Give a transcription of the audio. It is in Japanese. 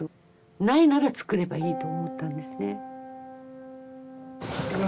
ないならつくればいいと思ったんですね。